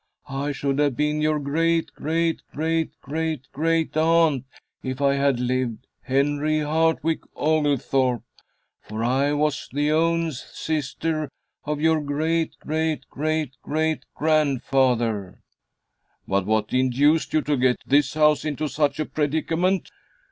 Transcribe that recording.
I should have been your great great great great great aunt if I had lived, Henry Hartwick Oglethorpe, for I was the own sister of your great great great great grandfather." "But what induced you to get this house into such a predicament?"